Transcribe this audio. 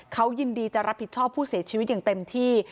เขายินดีจะรับผิดชอบผู้เสียชีวิตอย่างเต็มที่